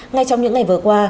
ngay trong những ngày vừa qua